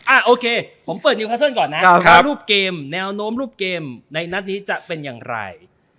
โอเคผมเปิดนิวคัสเซิลก่อนนะว่ารูปเกมแนวโน้มรูปเกมในนัดนี้จะเป็นอย่างไร